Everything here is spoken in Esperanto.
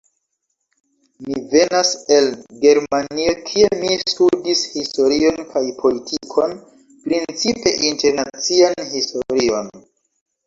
Mi venas el Germanio, kie mi studis historion kaj politikon, principe internacian historion.